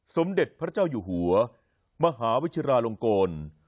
สมเด็จพระเจ้าอยู่หัวมหาวิชิราลงกล